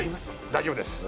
大丈夫です。